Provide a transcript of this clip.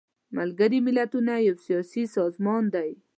ملګري ملتونه یو سیاسي سازمان دی.